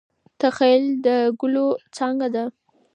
تخیل د ګلو څانګه ده.